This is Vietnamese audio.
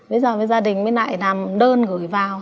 bây giờ với gia đình mới lại làm đơn gửi vào